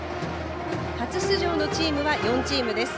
初出場のチームは４チームです。